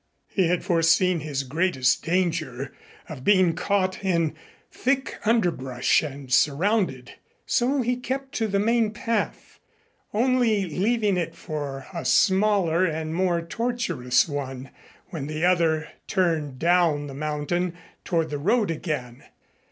He had foreseen his greatest danger of being caught in thick underbrush and surrounded so he kept to the main path, only leaving it for a smaller and more tortuous one, when the other turned down the mountain toward the road again.